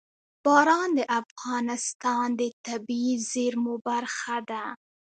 باران د افغانستان د طبیعي زیرمو برخه ده.